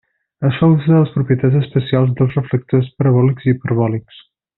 Es fa ús de les propietats especials dels reflectors parabòlics i hiperbòlics.